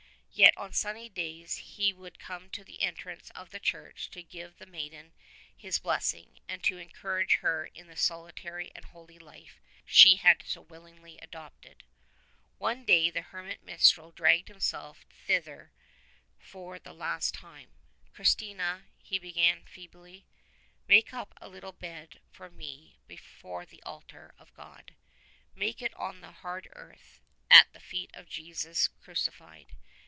Yet on sunny days he would come to the entrance of the church to give the maiden his blessing, and to encourage her in the solitary and holy life she had so willingly adopted. One day the hermit minstrel dragged himself thither for the last time. "Kristina,"' he began feebly, "make up a little bed for me before the altar of God. Make it on the hard earth at the feet of Jesus crucified.